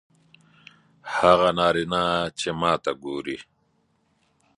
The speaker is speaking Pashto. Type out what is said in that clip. هغه نارینه چې ماته ګوري